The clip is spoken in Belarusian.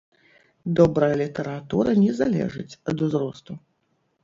Добрая літаратура не залежыць ад узросту.